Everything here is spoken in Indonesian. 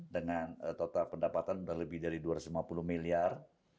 dengan total pendapatan lebih dari dua ratus lima puluh miliar